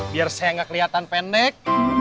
biar saya gak keliatan pendek